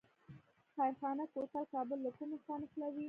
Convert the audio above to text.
خیرخانه کوتل کابل له کومې خوا نښلوي؟